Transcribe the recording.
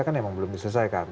kan memang belum diselesaikan